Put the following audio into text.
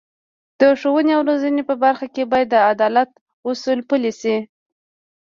د ښوونې او روزنې په برخه کې باید د عدالت اصول پلي شي.